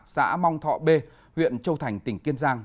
xã mong thọ b huyện châu thành tỉnh kiên giang